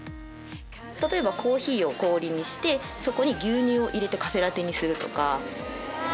例えばコーヒーを氷にしてそこに牛乳を入れてカフェラテにするとか。